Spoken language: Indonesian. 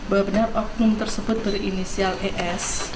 bahwa benar oknum tersebut berinisial es